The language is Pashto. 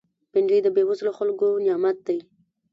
بېنډۍ د بېوزلو خلکو نعمت دی